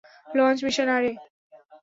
Launch mission array.